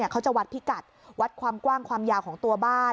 เขาจะวัดพิกัดวัดความกว้างความยาวของตัวบ้าน